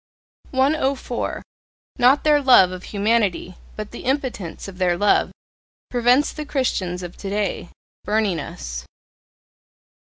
104. Not their love of humanity, but the impotence of their love, prevents the Christians of today burning us.